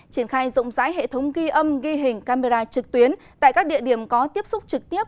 triển khai rộng rãi hệ thống ghi âm ghi hình camera trực tuyến tại các địa điểm có tiếp xúc trực tiếp